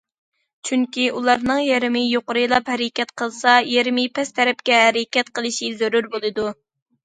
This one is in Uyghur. چۈنكى ئۇلارنىڭ يېرىمى يۇقىرىلاپ ھەرىكەت قىلسا، يېرىمى پەس تەرەپكە ھەرىكەت قىلىشى زۆرۈر بولىدۇ.